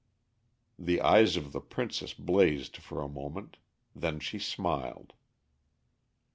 The eyes of the Princess blazed for a moment. Then she smiled.